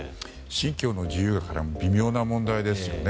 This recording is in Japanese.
信教の自由が絡む微妙な問題ですね。